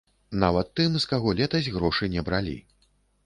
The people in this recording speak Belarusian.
Нават тым, з каго летась грошы не бралі.